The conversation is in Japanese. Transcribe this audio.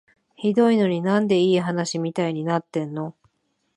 ひどいのに、なんでいい話みたいになってんの？